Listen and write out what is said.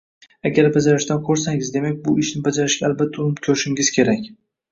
Agar bajarishdan qo’rqsangiz, demak bu ishni bajarishga albatta urinib ko’rishingiz kerak